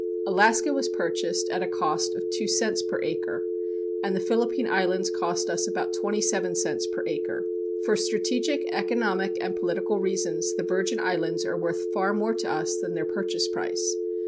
Alaska was purchased at a cost of two cents per acre, and the Philippine Islands cost us about twenty seven cents per acre. For strategic, economic and political reasons the Virgin Islands are worth far more to us than their purchase price.